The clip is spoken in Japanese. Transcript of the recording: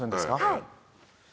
はい。